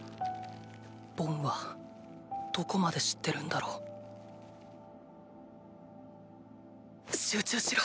ボンはどこまで知ってるんだろう集中しろ！！